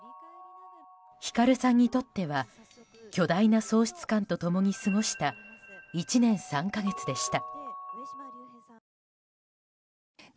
光さんにとっては巨大な喪失感と共に過ごした１年３か月でした。